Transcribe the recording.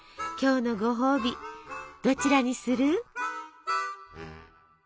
今日のごほうびどちらにする？